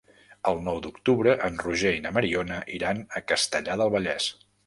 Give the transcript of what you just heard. El nou d'octubre en Roger i na Mariona iran a Castellar del Vallès.